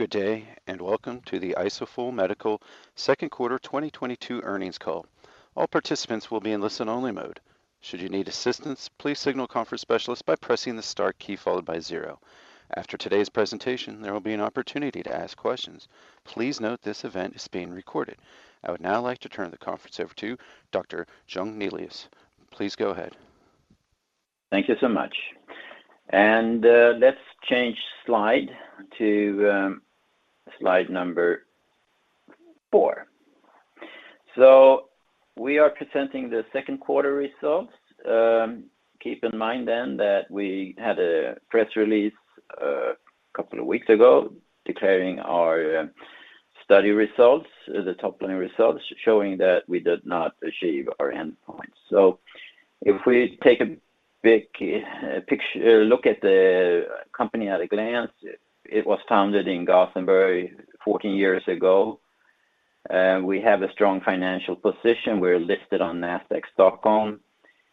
Good day, and welcome to the Isofol Medical second quarter 2022 earnings call. All participants will be in listen-only mode. Should you need assistance, please contact the conference specialist by pressing the star key followed by zero. After today's presentation, there will be an opportunity to ask questions. Please note this event is being recorded. I would now like to turn the conference over to Dr. Jungnelius. Please go ahead. Thank you so much. Let's change slide to slide number four. We are presenting the second quarter results. Keep in mind that we had a press release a couple of weeks ago declaring our study results, the top line results, showing that we did not achieve our endpoint. If we take a look at the company at a glance, it was founded in Gothenburg 14 years ago. We have a strong financial position. We're listed on Nasdaq Stockholm.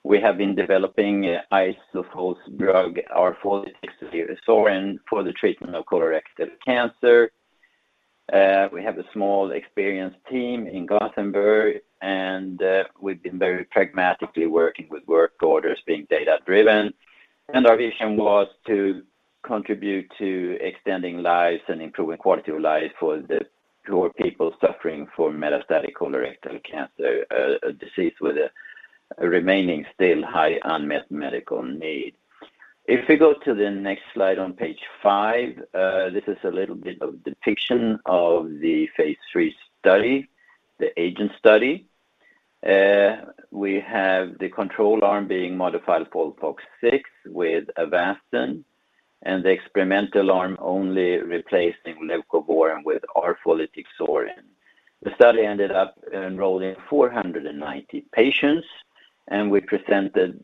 We have been developing Isofol's drug, arfolitixorin, for the treatment of colorectal cancer. We have a small experienced team in Gothenburg, and we've been very pragmatically working with work orders being data-driven. Our vision was to contribute to extending lives and improving quality of life for the poor people suffering from metastatic colorectal cancer, a disease with a remaining still high unmet medical need. If we go to the next slide on page five, this is a little bit of depiction of the phase three study, the AGENT study. We have the control arm being modified FOLFOX6 with Avastin, and the experimental arm only replacing leucovorin with arfolitixorin. The study ended up enrolling 490 patients, and we presented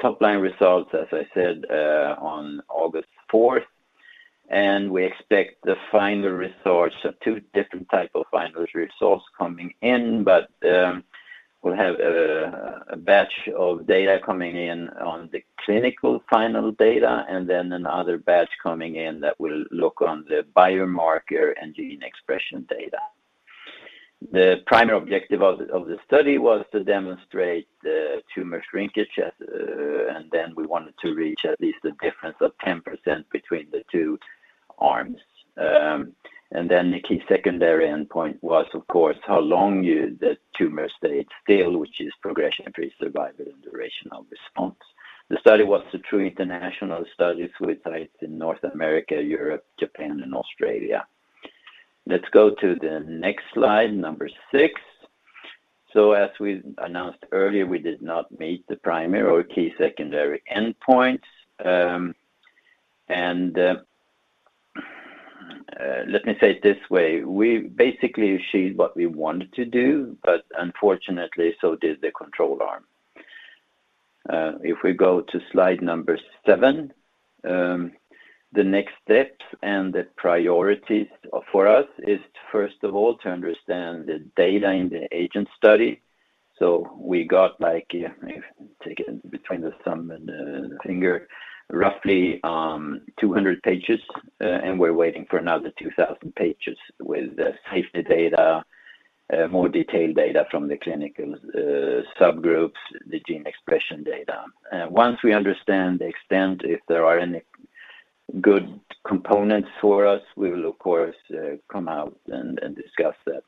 top line results, as I said, on August 4th. We expect the final results, two different type of final results coming in, but we'll have a batch of data coming in on the clinical final data and then another batch coming in that will look on the biomarker and gene expression data. The primary objective of the study was to demonstrate the tumor shrinkage, and then we wanted to reach at least a difference of 10% between the two arms. Then the key secondary endpoint was of course, how long is the tumor stayed still, which is progression-free survival and duration of response. The study was a true international study with sites in North America, Europe, Japan, and Australia. Let's go to the next slide, number six. As we announced earlier, we did not meet the primary or key secondary endpoints. Let me say it this way. We basically achieved what we wanted to do, but unfortunately, so did the control arm. If we go to slide number seven, the next steps and the priorities for us is first of all, to understand the data in the AGENT study. We got, like, take it between the thumb and the finger, roughly, 200 pages, and we're waiting for another 2,000 pages with the safety data, more detailed data from the clinical subgroups, the gene expression data. Once we understand the extent if there are any good components for us, we will, of course, come out and discuss that.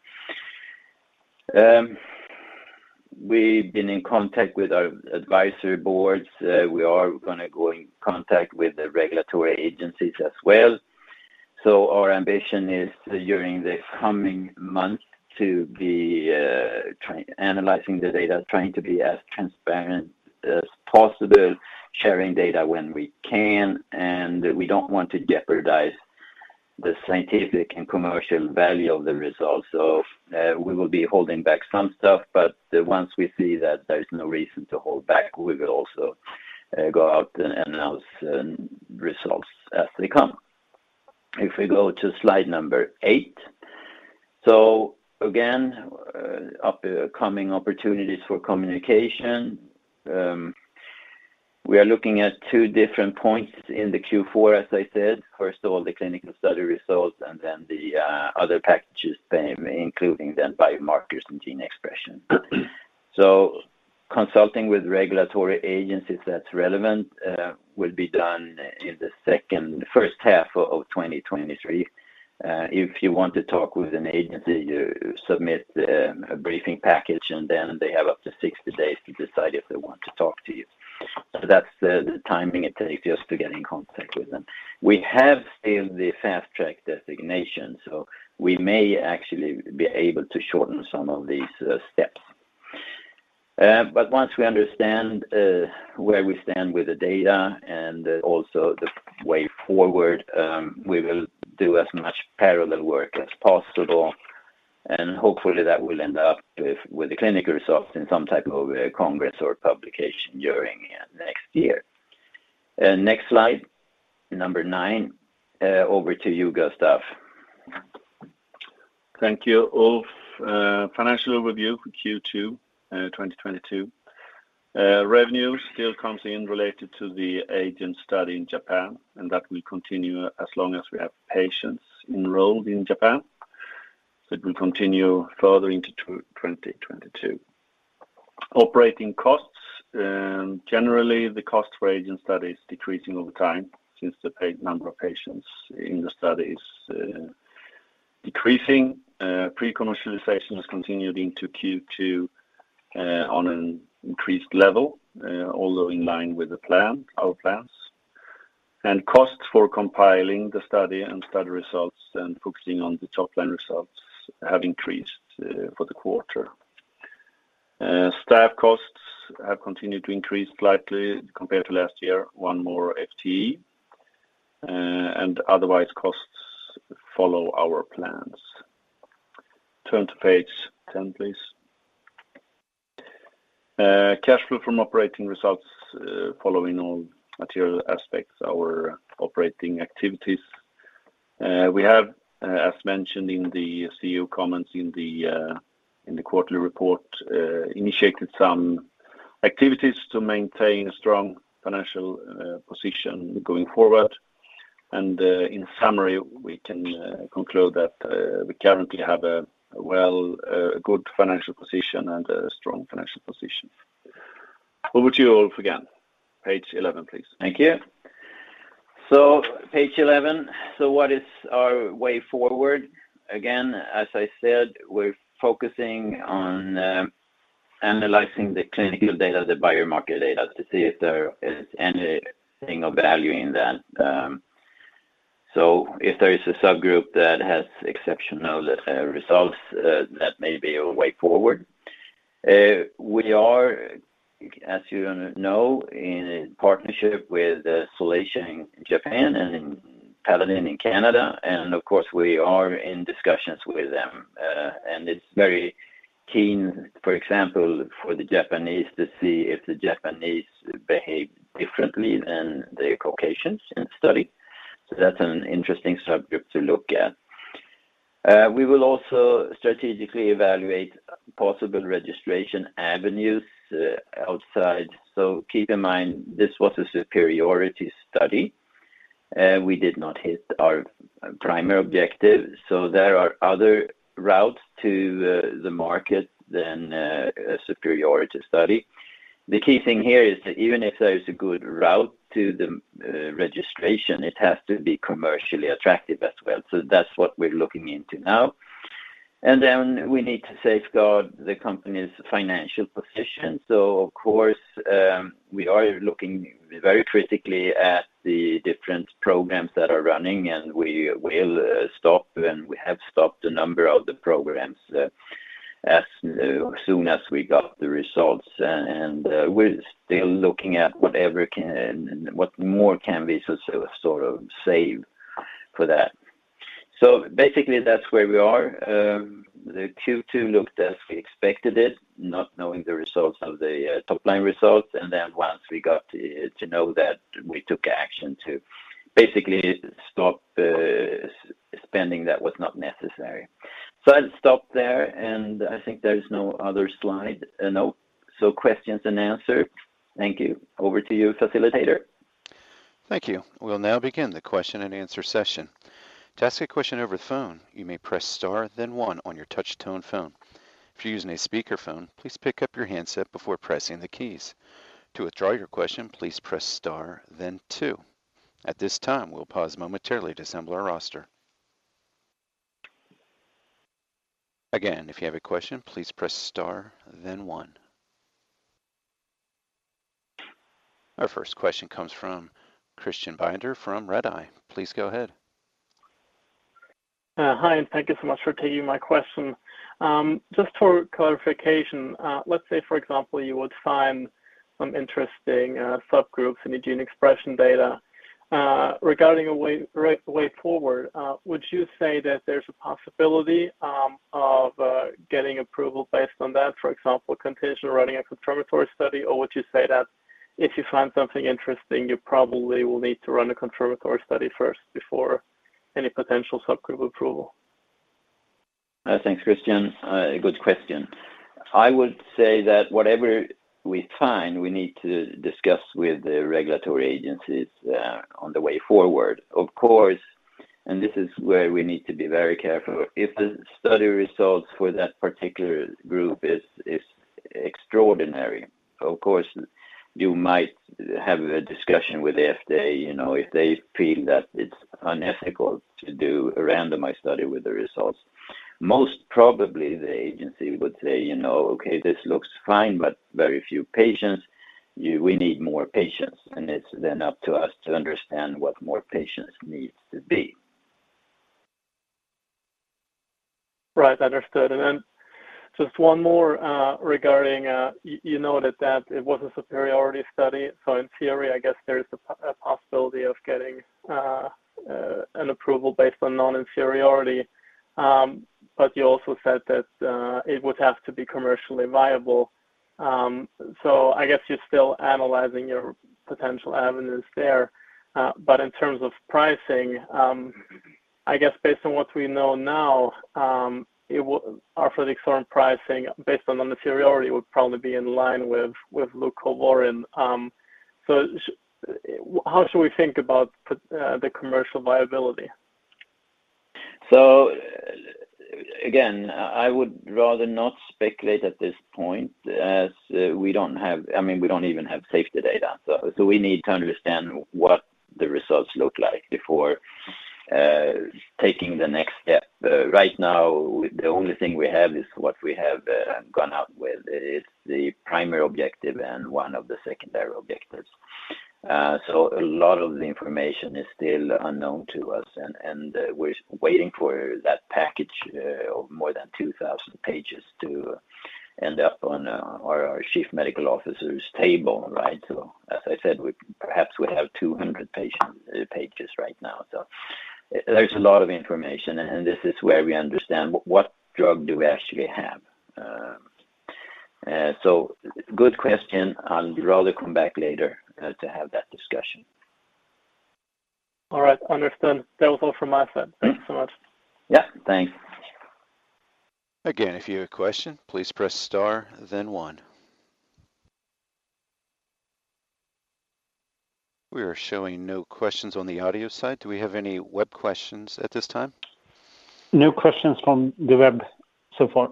We've been in contact with our advisory boards. We are gonna go in contact with the regulatory agencies as well. Our ambition is during the coming month to try analyzing the data, trying to be as transparent as possible, sharing data when we can, and we don't want to jeopardize the scientific and commercial value of the results. We will be holding back some stuff, but once we see that there's no reason to hold back, we will also go out and announce results as they come. If we go to slide number eight. Again, coming opportunities for communication, we are looking at two different points in the Q4, as I said. First of all, the clinical study results and then the other packages, including the biomarkers and gene expression. Consulting with regulatory agencies that's relevant will be done in the first half of 2023. If you want to talk with an agency, you submit a briefing package, and then they have up to 60 days to decide if they want to talk to you. That's the timing it takes just to get in contact with them. We have still the Fast Track designation, so we may actually be able to shorten some of these steps. Once we understand where we stand with the data and also the way forward, we will do as much parallel work as possible, and hopefully that will end up with the clinical results in some type of a congress or publication during next year. Next slide, number nine, over to you, Gustaf. Thank you. Ulf, financial review for Q2 2022. Revenue still comes in related to the AGENT study in Japan, and that will continue as long as we have patients enrolled in Japan. It will continue further into 2022. Operating costs, generally the cost for AGENT study is decreasing over time since the number of patients in the study is decreasing. Pre-commercialization has continued into Q2 on an increased level, although in line with the plan, our plans. Costs for compiling the study and study results and focusing on the top-line results have increased for the quarter. Staff costs have continued to increase slightly compared to last year, one more FTE, and otherwise costs follow our plans. Turn to page 10, please. Cash flow from operating results, following all material aspects, our operating activities. We have, as mentioned in the CEO comments in the quarterly report, initiated some activities to maintain a strong financial position going forward. In summary, we can conclude that we currently have a good financial position and a strong financial position. Over to you, Ulf, again. Page eleven, please. Thank you. Page 11. What is our way forward? Again, as I said, we're focusing on analyzing the clinical data, the biomarker data to see if there is anything of value in that. If there is a subgroup that has exceptional results that may be a way forward. We are, as you know, in a partnership with Solasia in Japan and Paladin Labs in Canada, and of course we are in discussions with them. It's very keen, for example, for the Japanese to see if the Japanese behave differently than the Caucasians in the study. That's an interesting subgroup to look at. We will also strategically evaluate possible registration avenues outside. Keep in mind this was a superiority study. We did not hit our primary objective, so there are other routes to the market than a superiority study. The key thing here is that even if there is a good route to the registration, it has to be commercially attractive as well. That's what we're looking into now. We need to safeguard the company's financial position. Of course, we are looking very critically at the different programs that are running, and we have stopped a number of the programs as soon as we got the results. We're still looking at what more can be sort of saved for that. Basically, that's where we are. The Q2 looked as we expected it, not knowing the results of the top-line results. Once we got to know that, we took action to basically stop spending that was not necessary. I'll stop there, and I think there is no other slide. No. Questions and answer. Thank you. Over to you, facilitator. Thank you. We'll now begin the question and answer session. To ask a question over the phone, you may press star then one on your touch tone phone. If you're using a speaker phone, please pick up your handset before pressing the keys. To withdraw your question, please press star then two. At this time, we'll pause momentarily to assemble our roster. Again, if you have a question, please press star then one. Our first question comes from Christian Binder from Redeye. Please go ahead. Hi, and thank you so much for taking my question. Just for clarification, let's say for example, you would find some interesting subgroups in the gene expression data regarding the way forward, would you say that there's a possibility of getting approval based on that? For example, conditional running a confirmatory study, or would you say that if you find something interesting, you probably will need to run a confirmatory study first before any potential subgroup approval? Thanks, Christian. A good question. I would say that whatever we find, we need to discuss with the regulatory agencies on the way forward. Of course, this is where we need to be very careful. If the study results for that particular group is extraordinary, of course, you might have a discussion with the FDA, you know, if they feel that it's unethical to do a randomized study with the results. Most probably the agency would say, you know, "Okay, this looks fine, but very few patients. We need more patients." It's then up to us to understand what more patients needs to be. Right. Understood. Just one more regarding you know that it was a superiority study. In theory, I guess there is a possibility of getting an approval based on non-inferiority. You also said that it would have to be commercially viable. I guess you're still analyzing your potential avenues there. In terms of pricing, I guess based on what we know now, our arfolitixorin current pricing based on the materiality would probably be in line with leucovorin. How should we think about the commercial viability? Again, I would rather not speculate at this point as we don't have. I mean, we don't even have safety data. We need to understand what the results look like before taking the next step. Right now the only thing we have is what we have gone out with is the primary objective and one of the secondary objectives. A lot of the information is still unknown to us and we're waiting for that package of more than 2,000 pages to end up on our Chief Medical Officer's table, right? As I said, we perhaps would have 200 patient pages right now. There's a lot of information and this is where we understand what drug do we actually have. Good question. I'd rather come back later, to have that discussion. All right. Understood. That was all from my side. Thank you so much. Yeah, thanks. Again, if you have a question, please press star then one. We are showing no questions on the audio side. Do we have any web questions at this time? No questions from the web so far.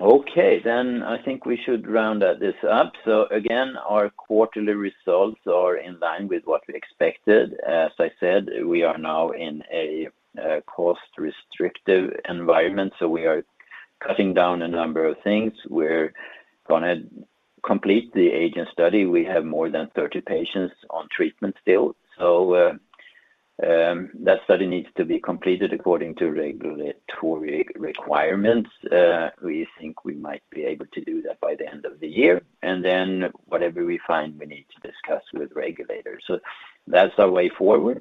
Okay. Then I think we should round this up. Again, our quarterly results are in line with what we expected. As I said, we are now in a cost restrictive environment, so we are cutting down a number of things. We're gonna complete the AGENT study. We have more than 30 patients on treatment still. That study needs to be completed according to regulatory requirements. We think we might be able to do that by the end of the year, and then whatever we find we need to discuss with regulators. That's our way forward.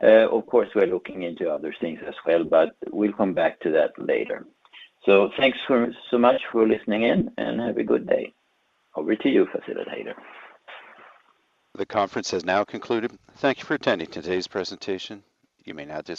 Of course, we're looking into other things as well, but we'll come back to that later. Thanks so much for listening in and have a good day. Over to you, facilitator. The conference has now concluded. Thank you for attending today's presentation. You may now disconnect.